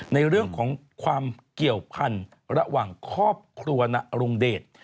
ในเรื่องของความเกี่ยวพันธุ์ระหว่างครอบครัวนรงเดช